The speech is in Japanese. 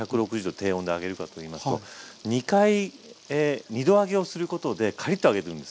低温で揚げるかといいますと２度揚げをすることでカリッと揚げるんです。